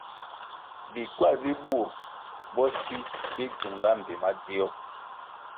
Bi ckywal bi bur bo si bi dzininga mbpi madzio.